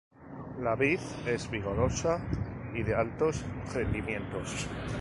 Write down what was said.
La vid es vigorosa y de altos rendimientos.